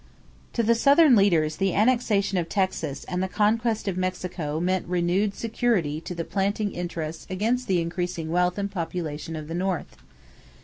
= To the Southern leaders, the annexation of Texas and the conquest of Mexico meant renewed security to the planting interest against the increasing wealth and population of the North.